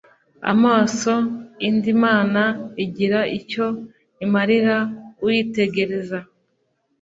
Amaso indi mana igira icyo imarira uyitegereza